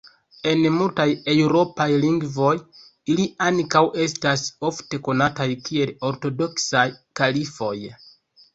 En multaj eŭropaj lingvoj ili ankaŭ estas ofte konataj kiel ortodoksaj kalifoj.